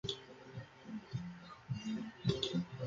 En su uso moderno deriva de la palabra afgano.